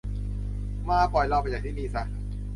มา ปล่อยเราไปจากที่นี่ซะ